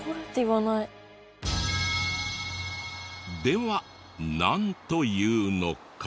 ではなんと言うのか？